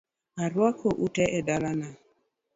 Arwako utee e dala na